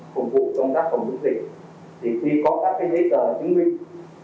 phòng vụ công tác phòng chống dịch thì khi có các giấy đờ chứng minh